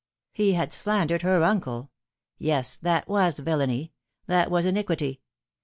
He had slandered her uncle yes, that was villainy, that was iniquity.